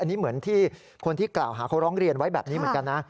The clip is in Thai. อันนี้เหมือนที่คนที่กล่าวหาเขาร้องเรียนไว้แบบนี้เหมือนกันนะ